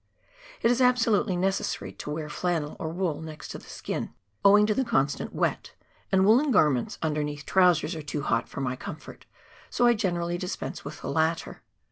It is absolutely necessary to wear flannel or wool next to the skin, owing to the constant wet, and woollen garments underneath trousers are too hot for my comfort, so I generally dispense with the latter.